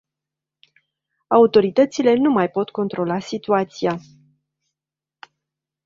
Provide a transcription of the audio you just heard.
Autoritățile nu mai pot controla situația.